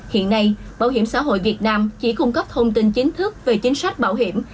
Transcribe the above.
hiện nay bảo hiểm xã hội việt nam chỉ cung cấp thông tin chính thức về chính sách bảo hiểm